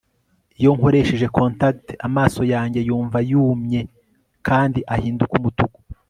Iyo nkoresheje contact amaso yanjye yumva yumye kandi ahinduka umutuku